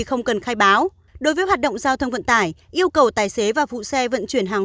không cần khai báo đối với hoạt động giao thông vận tải yêu cầu tài xế và phụ xe vận chuyển hàng